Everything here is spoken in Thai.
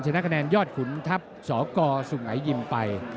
ชนะคะแนนยอดขุนทัพสกสุงัยยิมไป